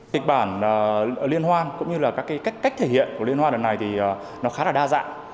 kịch bản ở linh hoan cũng như là các cách thể hiện của linh hoan này thì nó khá là đa dạng